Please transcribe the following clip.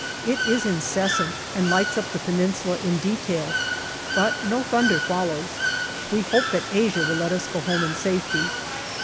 It is incessant, and lights up the Peninsula in detail, but no thunder follows. We hope that Asia will let us go home in safety.